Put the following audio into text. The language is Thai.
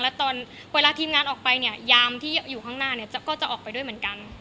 แล้วตอนเวลาทีมงานออกไปเนี่ยยามที่อยู่ข้างหน้าเนี่ยก็จะออกไปด้วยเหมือนกัน